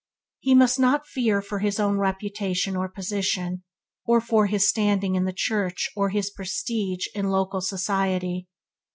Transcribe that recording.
He must not fear for his reputation or position, or for his standing in the church or his prestige in local society.